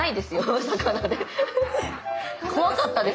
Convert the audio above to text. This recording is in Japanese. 怖かったです